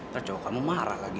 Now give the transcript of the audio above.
terus kamu marah lagi